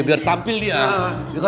biar tampil dia